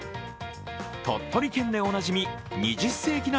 鳥取県でおなじみ二十世紀梨